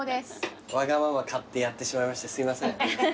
わがまま勝手やってしまいましてすいません。